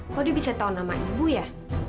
kalau dia bisa tahu nama ibu ya